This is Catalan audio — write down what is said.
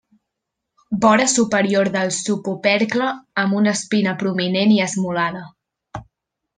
Vora superior del subopercle amb una espina prominent i esmolada.